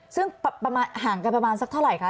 ซึ่งประมาณห่างกันประมาณสักเท่าไหร่คะ